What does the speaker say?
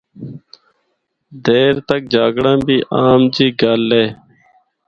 دیر تک جاگنڑا بھی عام جی گل اے۔